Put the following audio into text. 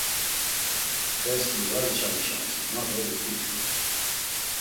Dersi var içalişamsi ma do vuǩitxi.